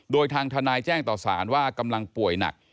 โดยทางทนายแจ้งต่อสารว่ากำลังป่วยหนัก